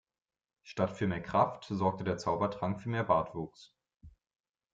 Statt für mehr Kraft sorgte der Zaubertrank für mehr Bartwuchs.